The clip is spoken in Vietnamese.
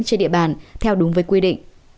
trên địa bàn theo đúng với quy định